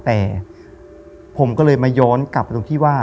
แต่ผมก็เลยมาย้อนกลับไปตรงที่ว่า